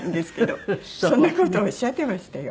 そんな事をおっしゃってましたよ。